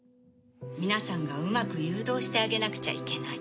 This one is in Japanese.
皆さんがうまく誘導してあげなくちゃいけない。